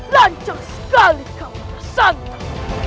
lancur sekali kau santai